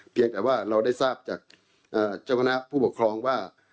เพียงแต่ว่าเราได้ทราบจากเจ้าคณะผู้ปกครองว่า